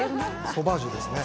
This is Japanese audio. ソバージュですね。